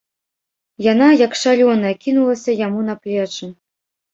Яна, як шалёная, кінулася яму на плечы.